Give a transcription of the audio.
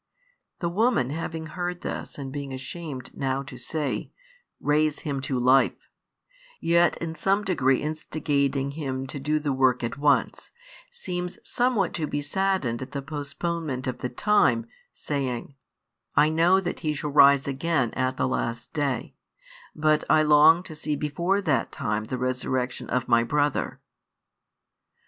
The woman having heard this and being ashamed now to say: "Raise him to life," yet in some degree instigating Him to do the work at once, seems somewhat to be saddened at the postponement of the time, saying: "I know that he shall rise again at the last day, but I long to see before that time the resurrection of my brother."